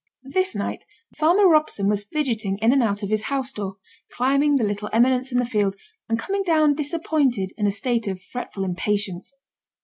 This night farmer Robson was fidgeting in and out of his house door, climbing the little eminence in the field, and coming down disappointed in a state of fretful impatience.